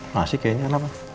masih kayaknya kenapa